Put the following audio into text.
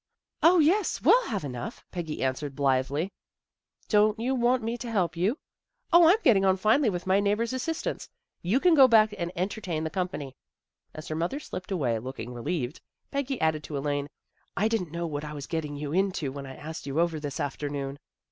"" 0, yes. We'll have enough," Peggy an swered blithely. " Don't you want me to help you? "" 0, I'm getting on finely with my neigh bor's assistance. You can go back and enter tain the company." As her mother slipped away, looking relieved, Peggy added to Elaine, " I didn't know what I was getting you into when I asked you over this afternoon."